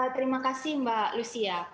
terima kasih mbak lucia